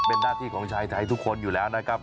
เป็นหน้าที่ของชายไทยทุกคนอยู่แล้วนะครับ